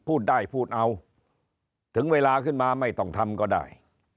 พูดได้พูดเอาถึงเวลาขึ้นมาไม่ต้องทำก็ได้